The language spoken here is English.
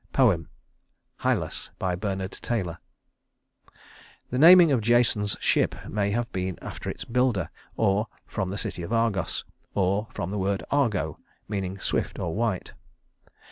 Poem: Hylas BAYARD TAYLOR The naming of Jason's ship may have been after its builder, or from the city of Argos, or from the word "Argo," meaning swift or white.